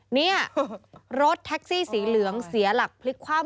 เนี่ยรถแท็กซี่สีเหลืองเสียหลักพลิกคว่ำ